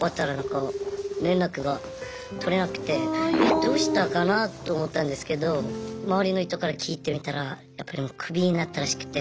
どうしたかなと思ったんですけど周りの人から聞いてみたらやっぱりもうクビになったらしくて。